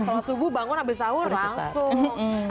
setelah subuh bangun abis sahur langsung